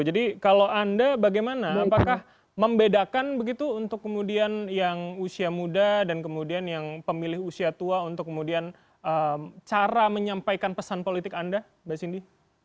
jadi kalau anda bagaimana apakah membedakan begitu untuk kemudian yang usia muda dan kemudian yang pemilih usia tua untuk kemudian cara menyampaikan pesan politik anda mbak cindy